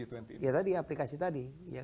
ya tadi aplikasi tadi